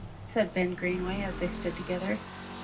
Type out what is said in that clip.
said Ben Greenway as they stood together.